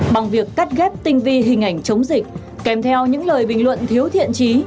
bằng việc cắt ghép tinh vi hình ảnh chống dịch kèm theo những lời bình luận thiếu thiện trí